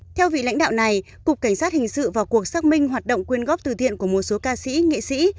theo vị lãnh đạo này cục cảnh sát hình sự vào cuộc xác minh hoạt động quyên góp từ thiện của một số ca sĩ nghệ sĩ